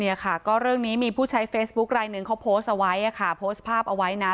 เนี่ยค่ะก็เรื่องนี้มีผู้ใช้เฟซบุ๊กรายหนึ่งเขาโพสต์เอาไว้อ่ะค่ะ